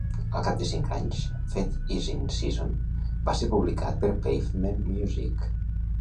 Al cap de cinc anys, "Faith Is in Season" va ser publicat per Pavement Music.